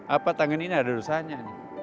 apa tangan ini ada dosanya